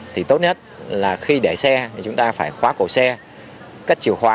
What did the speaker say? thì tốt nhất là khi để xe thì chúng ta phải khóa cổ xe